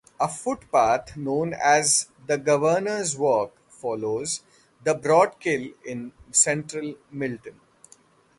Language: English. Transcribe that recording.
A footpath known as the Governors Walk follows the Broadkill in central Milton.